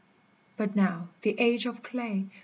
but now the Age of Clay